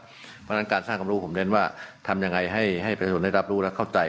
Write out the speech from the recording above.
เพราะฉะนั้นการสร้างความรู้ผมเน้นว่าทำยังไงให้ประชาชนได้รับรู้และเข้าใจ